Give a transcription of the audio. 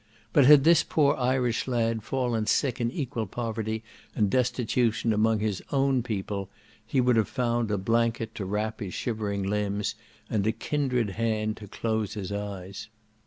But had this poor Irish lad fallen sick in equal poverty and destitution among his own people, he would have found a blanket to wrap his shivering limbs, and a kindred hand to close his eyes.